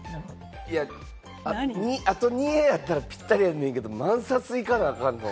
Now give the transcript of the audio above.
あと２円あったらぴったりやねんけれども、万札いかなあかんの？